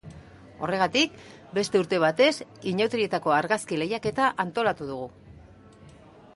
Horregatik, beste urte batez, inauterietako argazki lehiaketa antolatu dugu.